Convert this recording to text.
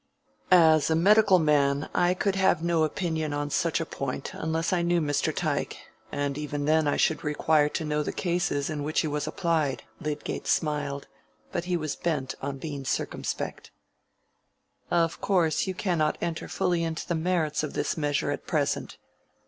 "As a medical man I could have no opinion on such a point unless I knew Mr. Tyke, and even then I should require to know the cases in which he was applied." Lydgate smiled, but he was bent on being circumspect. "Of course you cannot enter fully into the merits of this measure at present.